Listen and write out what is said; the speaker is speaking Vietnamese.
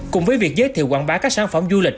cùng với việc giới thiệu quảng bá các sản phẩm du lịch